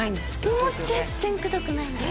もう全然くどくないんです